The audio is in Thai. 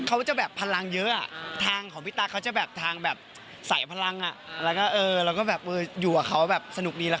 เขาจะแบบพลังเยอะทางของพี่ตั๊กเขาจะแบบทางแบบใส่พลังอ่ะแล้วก็เออแล้วก็แบบอยู่กับเขาแบบสนุกดีแล้ว